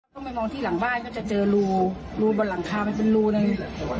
ต้องไปมองที่หลังบ้านก็จะเจอรูรูบนหลังคามันเป็นรูเลย